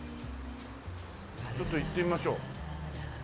ちょっと行ってみましょう。